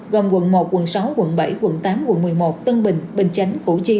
gồm quận một quận sáu quận bảy quận tám quận một mươi một tân bình bình chánh